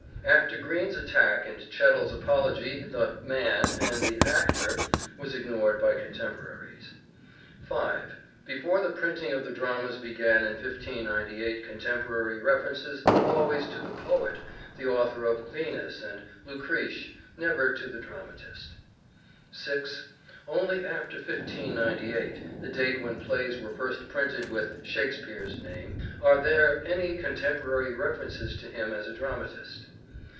After Greene's attack and Chettle's apology the " man " and the " actor " was ignored by contemporaries. 5. Before the printing of the dramas began in 1598 contemporary references were always to the poet — the author of " Venus " and " Lucrece "— never to the dramatist, 86 " SHAKESPEARE " IDENTIFIED 6. Only after 1598, the date when plays were first printed with " Shakespeare V name, are there any contemporary references to him as a dramatist.